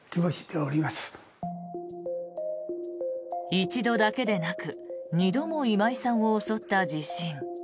一度だけでなく二度も今井さんを襲った地震。